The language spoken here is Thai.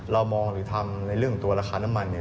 เรามองหรือทำในเรื่องของตัวราคาน้ำมันเนี่ย